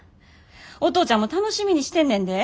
お父ちゃんも楽しみにしてんねんで。